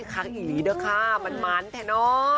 ครั้งอีกนี้ด้วยค่ะมันแทนอ้อ